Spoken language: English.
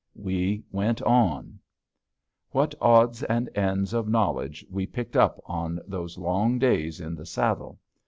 We went on. What odds and ends of knowledge we picked up on those long days in the saddle!